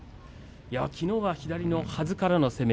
きのうは左のはずからの攻め。